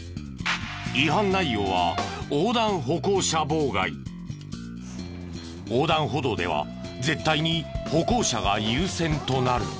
違反内容は横断歩道では絶対に歩行者が優先となる。